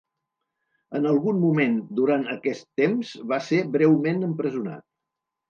En algun moment durant aquest temps va ser breument empresonat.